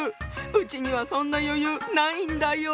うちにはそんな余裕ないんだよ。